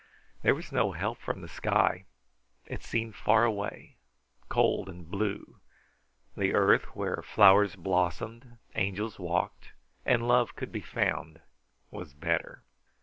There was no help from the sky. It seemed far away, cold, and blue. The earth, where flowers blossomed, angels walked, and love could be found, was better.